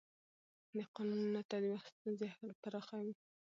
د قانون نه تطبیق ستونزې پراخوي